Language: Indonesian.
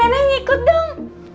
menengah ngikut dong